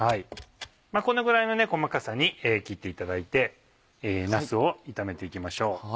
このぐらいの細かさに切っていただいてなすを炒めて行きましょう。